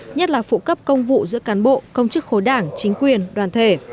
nhất là phụ cấp công vụ giữa cán bộ công chức khối đảng chính quyền đoàn thể